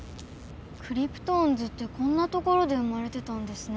クリプトオンズってこんなところで生まれてたんですね。